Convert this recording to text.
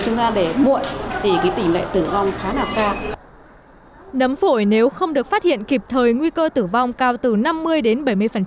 nấm phổi nếu không được phát hiện kịp thời nguy cơ tử vong cao từ năm mươi đến bảy mươi